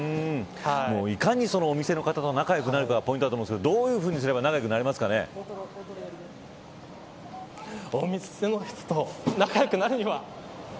いかにお店の方と仲良くなるかがポイントだと思うんですけどどういうふうにすればお店の人と仲良くなるには。